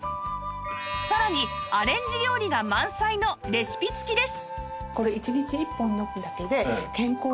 さらにアレンジ料理が満載のレシピ付きです